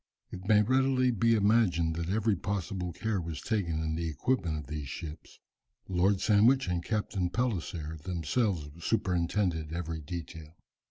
It may readily be imagined that every possible care was taken in the equipment of these ships. Lord Sandwich and Captain Palliser themselves superintended every detail.